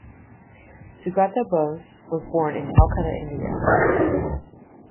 Sugata Bose was born in Calcutta, India.